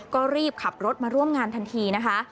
ก็รีบขับรถมาร่วมงานทันทีนะคะ